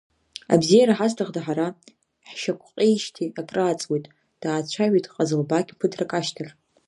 Абзиара ҳазҭахда ҳара, ҳшьақәҟьеижьҭеи акрааҵуеит, даацәажәеит Ҟазылбақь ԥыҭрак ашьҭахь.